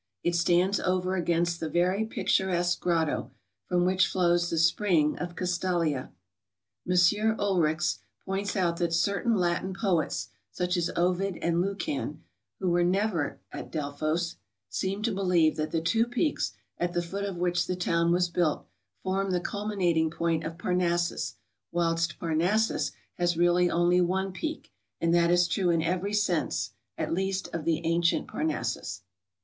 It stands over against the very picturesque grotto, from which flows the spring of Castalia. M. Ulrichs points out that certain Latin poets, such as Ovid and Lucan, who never were at Delphos, seem to believe that the two peaks, at the foot of which the town was built, form the culminating point of Parnassus, whilst Parnassus has really only one peak, and that is true in every sense, at least of the ancient Parnassus.